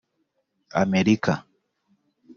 Amerika